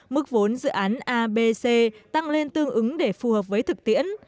mức vốn dự án a b c tăng lên tương ứng để phù hợp với thực tiễn